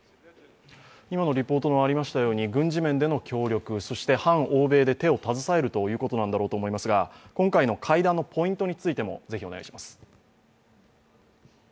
今のリポートにありましたように軍事面の協力、そして、反欧米で手を携えるということなんだと思いますが、今回の会談のポイントについてもぜひお願いします。